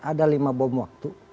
ada lima bom waktu